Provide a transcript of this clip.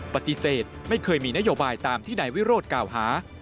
ปฏิเสธไม่เคยมีนโยบายตามที่นายวิโรธกล่าวหา